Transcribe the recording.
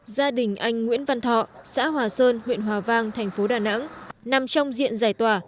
gia đình anh nguyễn văn thọ xã hòa sơn huyện hòa vang thành phố đà nẵng nằm trong diện giải tỏa